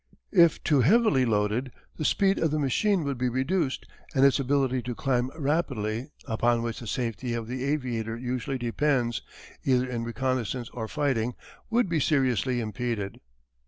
If too heavily loaded the speed of the machine would be reduced and its ability to climb rapidly upon which the safety of the aviator usually depends, either in reconnaissance or fighting, would be seriously impeded.